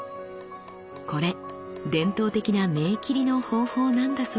これ伝統的な銘切りの方法なんだそうですよ。